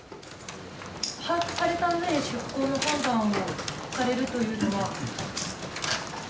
把握されたうえで出港の判断をされるというのは？